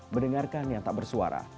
mendengarkan yang tak bersuara